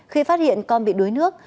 khi phát hiện con bị đuối nước